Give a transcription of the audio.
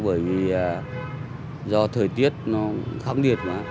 bởi vì do thời tiết nó khắc nghiệt mà